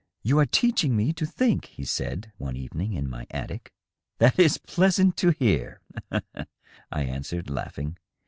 " You are teaching me to think,^^ he said, one evening, in my attic. "That is pleasant to hear,'^ I answered, laughing.